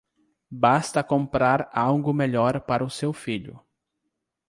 Basta comprar algo melhor para o seu filho.